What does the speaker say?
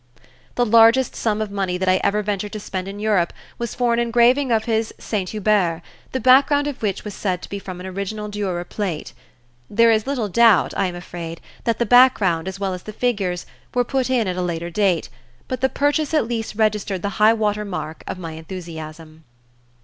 The largest sum of money that I ever ventured to spend in Europe was for an engraving of his "St. Hubert," the background of which was said to be from an original Durer plate. There is little doubt, I am afraid, that the background as well as the figures "were put in at a later date," but the purchase at least registered the high water mark of my enthusiasm.